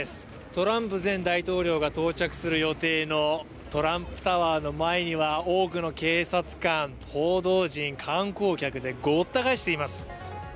トランプ前大統領が到着する予定のトランプタワーの前には、多くの警察官、報道陣、観光客でごった返しています。